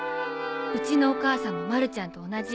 うちのお母さんもまるちゃんと同じ。